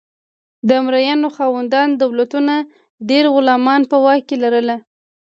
د مرئیانو خاوندان دولتونه ډیر غلامان په واک کې لرل.